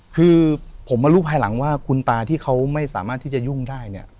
คือผมมารู้ภายหลังว่าคุณตาที่เขาไม่สามารถที่จะยุ่งได้เนี่ย